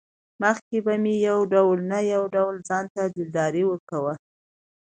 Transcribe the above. مخکې به مې يو ډول نه يو ډول ځانته دلداري ورکوه.